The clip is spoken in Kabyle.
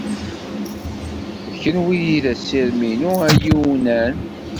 D kenwi ay d assirem-inu ayiwnan.